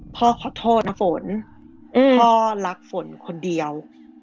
พ่อขอโทษนะฝนพ่อรักฝนคนเดียว